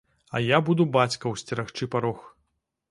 А я буду бацькаў сцерагчы парог.